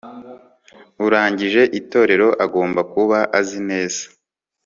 urangije itorero agomba kuba azi neza